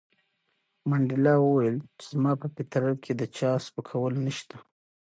منډېلا وویل چې زما په فطرت کې د چا سپکول نشته.